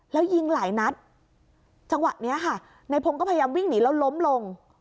แล้วยิงหลายนัดจังหวะนี้ค่ะในพงศ์ก็พยายามวิ่งหนีแล้วล้มลง